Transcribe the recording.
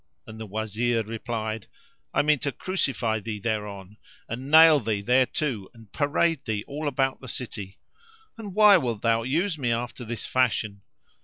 and the Wazir replied, "I mean to crucify thee thereon, and nail thee thereto and parade thee all about the city." "And why wilt thou use me after this fashion?"